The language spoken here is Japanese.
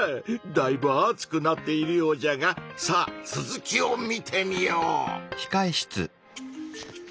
だいぶ熱くなっているようじゃがさあ続きを見てみよう！